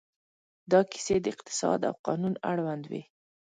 دا کیسې د اقتصاد او قانون اړوند وې.